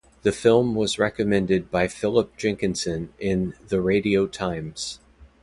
The film was recommended by Philip Jenkinson in the "Radio Times".